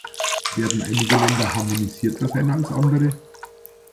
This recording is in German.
Werden einige Länder harmonisierter sein als andere?